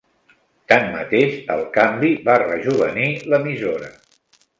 Tanmateix, el canvi va rejovenir l'emissora.